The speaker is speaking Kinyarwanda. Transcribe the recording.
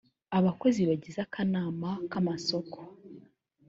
abakozi bagize akanama kamasoko